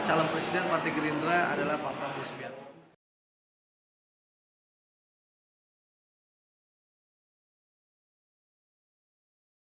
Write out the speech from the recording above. calon presiden partai gerindra adalah pak prabowo subianto